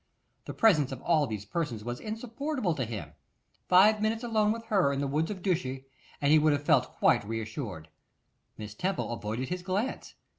The presence of all these persons was insupportable to him. Five minutes alone with her in the woods of Ducie, and he would have felt quite reassured. Miss Temple avoided his glance!